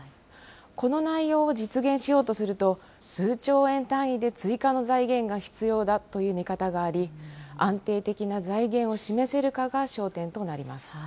この内容を実現しようとすると、数兆円単位で追加の財源が必要だという見方があり、安定的な財源を示せるかが焦点となります。